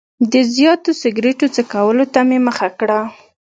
د زیاتو سګرټو څکولو ته مې مخه کړه.